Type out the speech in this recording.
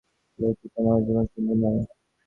তবে এই দুনিয়াতে বেশিরভাগ লোকই তোমার জীবনসঙ্গী নয়।